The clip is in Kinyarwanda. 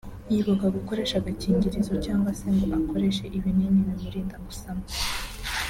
yibuka gukoresha agakingirizo cyangwa se ngo akoreshe ibinini bimurinda gusama